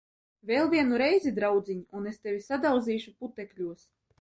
Vēl vienu reizi, draudziņ, un es tevi sadauzīšu putekļos!